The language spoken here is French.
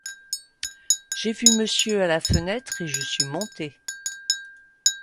J'ai vu monsieur à la fenêtre, et je suis monté.